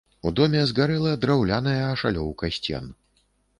У доме згарэла драўляная ашалёўка сцен.